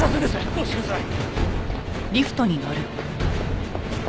通してください！